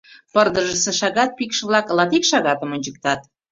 Пырдыжысе шагат пикш-влак латик шагатым ончыктат.